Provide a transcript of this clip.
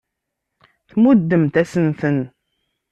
Tmuddemt-asen-ten.